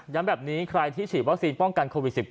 แบบนี้ใครที่ฉีดวัคซีนป้องกันโควิด๑๙